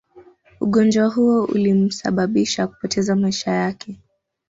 Ugonjwa huo ulimsababisha kupoteza maisha yake